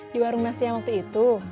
di warung nasi yang waktu itu